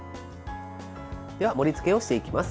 では盛りつけをしていきます。